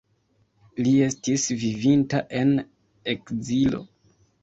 Li estis vivinta en ekzilo.